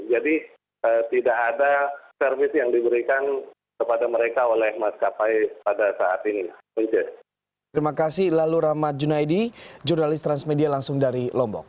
tidak ada servis yang diberikan kepada mereka oleh maskapai pada saat ini